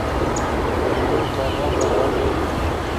یو لوی کاروان روان دی.